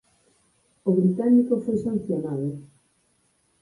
O británico foi sancionado.